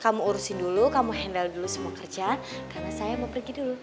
kamu urusin dulu kamu handal dulu semua kerja karena saya mau pergi dulu